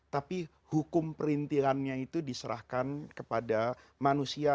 tapi hukum perintilannya itu diserahkan kepada manusia